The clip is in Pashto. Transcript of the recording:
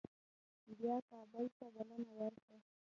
بیا کابل ته بلنه ورکړه.